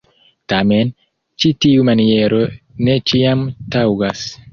Tamen, ĉi tiu maniero ne ĉiam taŭgas.